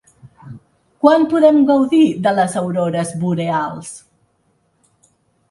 Quan podem gaudir de les aurores boreals?